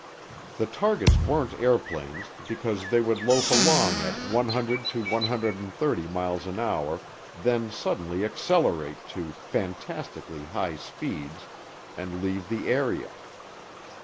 The targets weren't airplanes because they would loaf along at 100 to 130 miles an hour then suddenly accelerate to "fantastically high speeds" and leave the area.